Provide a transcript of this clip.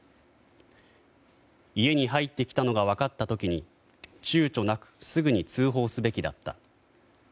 家に入ってきたのが分かった時にちゅうちょなくすぐに通報すべきだった。